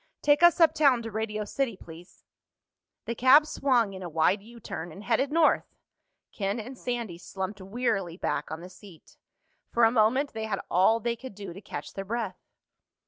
"Take us uptown to Radio City, please." The cab swung in a wide U turn and headed north. Ken and Sandy slumped wearily back on the seat. For a moment they had all they could do to catch their breath.